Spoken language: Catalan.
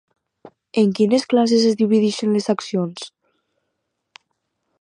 En quines classes es divideixen les accions?